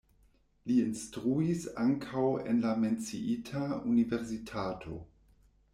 Li instruis ankaŭ en la menciita universitato.